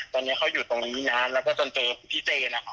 ตอนนี้เขาอยู่ตรงนี้นานแล้วก็จนเจอพี่เจนนะคะ